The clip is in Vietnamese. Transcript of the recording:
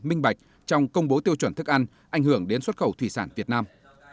minh bạch trong công bố tiêu chuẩn thức ăn ảnh hưởng đến xuất khẩu thủy sản việt nam